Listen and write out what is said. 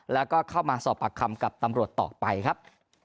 แล้วก็เข้ามาสอบปากคำกับตำรวจต่อไปครับ